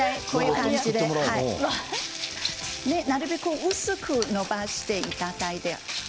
鶏肉はなるべく薄く伸ばしていただいて。